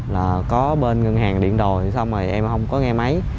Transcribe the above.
là có bên ngân hàng điện đồi xong rồi em không có nghe máy